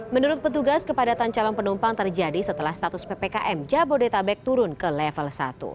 menurut petugas kepadatan calon penumpang terjadi setelah status ppkm jabodetabek turun ke level satu